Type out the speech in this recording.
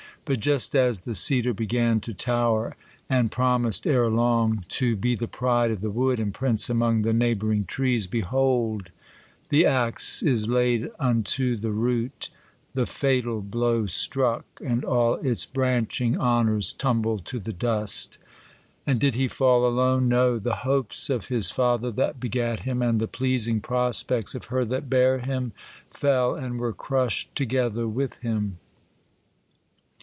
But just as the cedar began to tower, and promised ere long, to be the pride of the wood, and prince among the neigi^ bouring trees, behold! the axe is laid unto the root oil 1 THE COLUMBIAN ORATOR. i37 the fatal blow struck; and all its branching honors tumbled to the dust. And did he fall alone ? No : the hopes of his father that begat him, and the pleasing prospects of her that bare him, fell, and were crushed together with him.